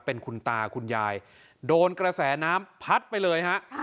เป็นคุณตาคุณยายโดนกระแสน้ำพัดไปเลยฮะ